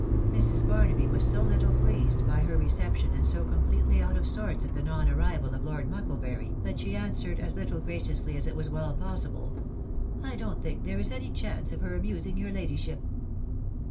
Mrs' Xamaby was so little pleased by her reaction, *&* m THB WIDOW BABNABY. 319 completely out of sorts at the non arrival of Lord Mucklebury, that she answered as little graciously as it was well possible, *' I don't think there is any chance of her amusing your lady ship."